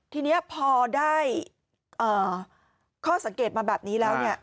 ทีนี้พอได้ข้อสังเกตมาแบบนี้แล้วเนี่ย